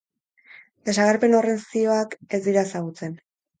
Desagerpen horren zioak ez dira ezagutzen.